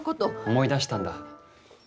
思い出したんだ。